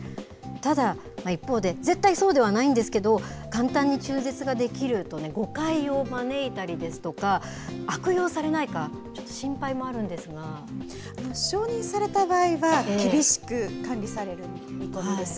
ただ、一方で、絶対そうではないんですけど、簡単に中絶ができると誤解を招いたりですとか、悪用されないか、承認された場合は、厳しく管理される見込みです。